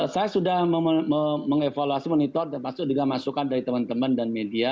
saya sudah mengevaluasi monitor termasuk juga masukan dari teman teman dan media